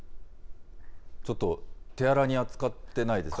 ちょっと手荒に扱ってないですか？